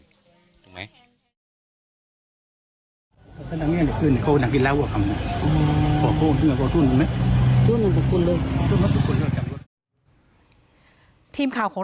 ทีมข่าวของเราก็ไปหาเพื่อนบ้านของนายเฉลี่ยวผู้เสียงตีน